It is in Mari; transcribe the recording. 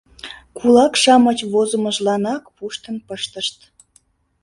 Кулак-шамыч возымыжланак пуштын пыштышт.